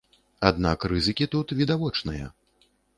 Аднак рызыкі тут відавочныя.